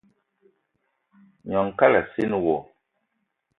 Gnong kalassina wo.